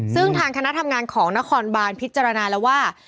ซึ่งทางคณะทำงานของนครบานพิจารณาแล้วว่า